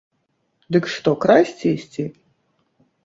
Дык што, красці ісці?